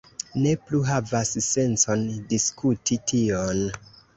Ne plu havas sencon diskuti tion.